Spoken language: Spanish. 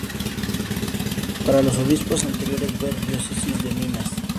Para los obispos anteriores, ver diócesis de Minas.